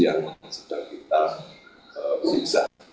yang sedang kita menjaga